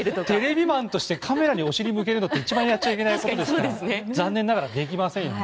テレビマンとしてカメラにお尻を向けるのって一番やっちゃいけないことですから残念ながらできません。